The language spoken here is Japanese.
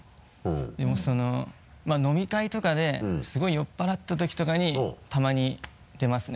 でも飲み会とかですごい酔っぱらったときとかにたまに出ますね